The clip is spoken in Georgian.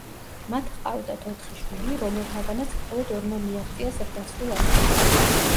მათ ჰყავდათ ოთხი შვილი, რომელთაგანაც მხოლოდ ორმა მიაღწია ზრდასრულ ასაკს.